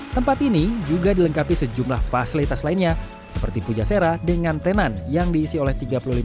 tempat ini juga dilengkapi sejumlah fasilitas lainnya seperti puja sera dengan tenan yang diisi oleh tiga puluh lima pelaku usaha umkm